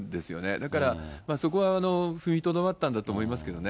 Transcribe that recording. だから、そこは踏みとどまったんだと思いますけどね。